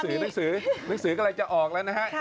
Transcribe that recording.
เร็วเวลามีหนังสือก็เลยจะออกแล้วนะฮะ